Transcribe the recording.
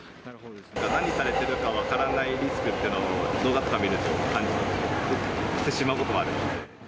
何されてるか分からないリスクっていうのは、動画とか見ると感じてしまうこともあるので。